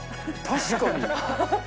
確かに。